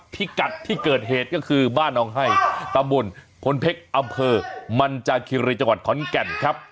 พิกัดที่เกิดเหตุก็คือบ้านน้องให้ตำบลพลเพชรอำเภอมันจาคิรีจังหวัดขอนแก่นครับ